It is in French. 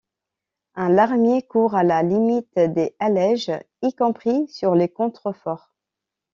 Un larmier court à la limite des allèges, y compris sur les contreforts.